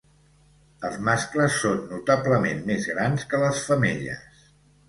Els mascles són notablement més grans que les femelles.